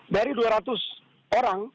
dari dua ratus orang